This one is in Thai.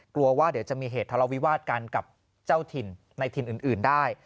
กลัวว่าเดี๋ยวจะมีเหตุทะเลาวิวาสกันกับเจ้าถิ่นในถิ่นอื่นได้